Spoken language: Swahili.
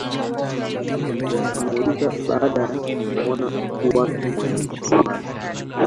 Bi Aneth alimuuliza baada ya kumuona mkuu wake mwenye mawazo